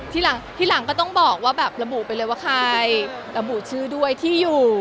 ทีหลังก็ต้องบอกว่าแบบระบุไปเลยว่าใครระบุชื่อด้วยที่อยู่